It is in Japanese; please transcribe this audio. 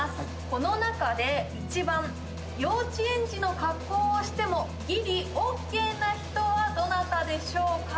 この中で１番幼稚園児の格好をしてもギリＯＫな人はどなたでしょうか？